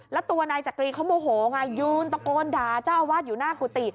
แล้วตัวนายจักรีเขาโมโหไงยืนตะโกนด่าเจ้าอาวาสอยู่หน้ากุฏิ